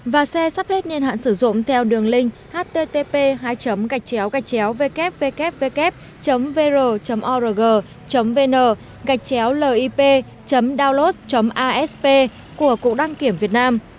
và xe sắp hết niên hạn sử dụng theo đường linh http www vr org vn lip download asp của cục đăng kiểm việt nam